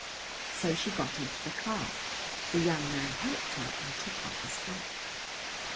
So she got into the car. The young man helped her and took off his hat.